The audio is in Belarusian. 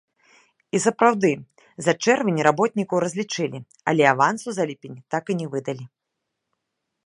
І сапраўды, за чэрвень работнікаў разлічылі, але авансу за ліпень так і не выдалі.